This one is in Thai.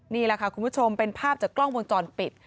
นี่แหละค่ะคุณผู้ชมเป็นภาพจากกล้องวงจรปิด